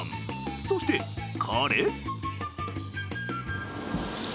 そしてこれ。